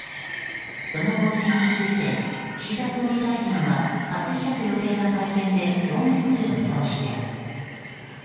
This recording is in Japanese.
その方針について岸田総理大臣は明日開く予定の会見で表明する見通しです。